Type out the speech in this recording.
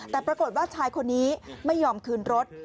แต่ปรากฏว่าชายคนนี้ไม่ยอมคืนรถ